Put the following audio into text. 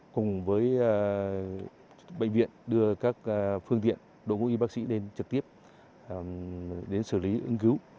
cùng với bệnh viện đưa các phương tiện đội ngũ y bác sĩ lên trực tiếp đến xử lý ứng cứu